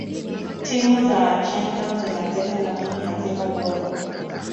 timu za china zina pesa lakini hazina ubora